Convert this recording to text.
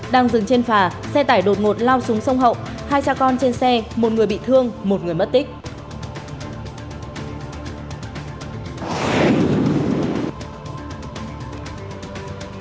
đang dừng trên phà xe tải đột ngột lao xuống sông hậu hai cha con trên xe một người bị thương một người mất tích